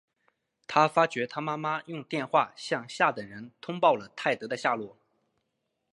他发觉他妈妈用电话向下等人通报了泰德的下落。